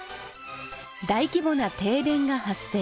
大規模な停電が発生。